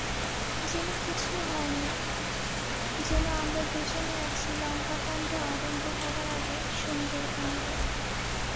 যেন কিছু হয় নি, যেন আমরা দুজনে আছি লঙ্কাকাণ্ড আরম্ভ হবার আগে সুন্দরকাণ্ডে।